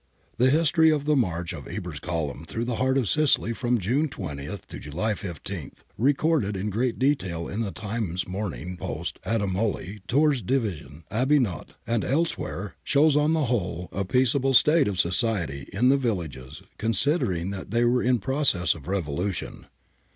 The history of the march of fiber's column through the heart of Sicily from June 20 to July 15, recorded in great detail in the Times, Morning Post (correspondents /^j jm), Adamoli, Tilrr's Div., Abba Not, and elsewhere, shows on the whole a peaceable state of society in the villages considering that they were in process of revolution.